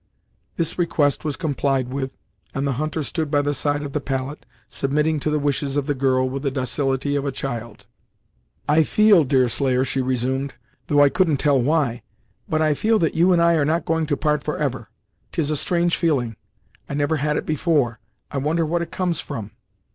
This request was complied with, and the hunter stood by the side of the pallet, submitting to the wishes of the girl with the docility of a child. "I feel, Deerslayer," she resumed, "though I couldn't tell why but I feel that you and I are not going to part for ever. 'Tis a strange feeling! I never had it before; I wonder what it comes from!"